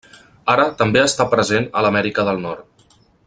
Ara també està present a l'Amèrica del Nord.